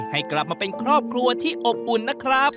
ให้กลับมาเป็นครอบครัวที่อบอุ่นนะครับ